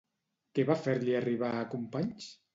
Què va fer-li arribar a Companys?